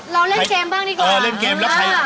เราเล่นเกมบ้างดีกว่า